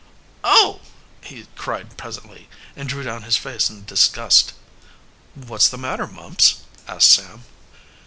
"Oh!" he cried presently, and drew down his face in disgust. "What's the matter, Mumps?" asked Sam.